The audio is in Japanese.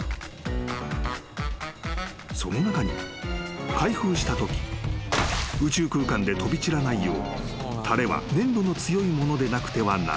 ［その中に開封したとき宇宙空間で飛び散らないようたれは粘度の強いものでなくてはならないというものがあった］